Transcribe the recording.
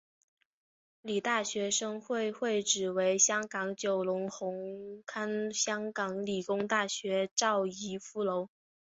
理大学生会会址为香港九龙红磡香港理工大学邵逸夫楼。